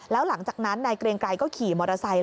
แล้วหลังจากนั้นนายเกรงไกรก็ขี่มอเตอร์ไซค์